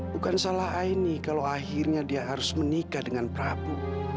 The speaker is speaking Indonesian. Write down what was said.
bukan salah aini kalau akhirnya dia harus menikah dengan prabu